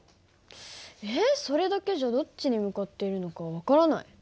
えっそれだけじゃどっちに向かっているのか分からない。